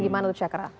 gimana tuh cakera